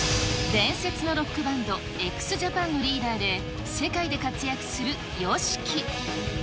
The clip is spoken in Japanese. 伝説のロックバンド、ＸＪＡＰＡＮのリーダーで、世界で活躍するＹＯＳＨＩＫＩ。